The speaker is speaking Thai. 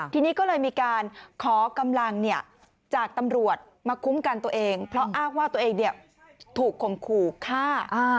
ทีนี้ก็เลยมีการขอกำลังจากตำรวจมาคุ้มกันตัวเองเพราะอ้างว่าตัวเองถูกข่มขู่ฆ่า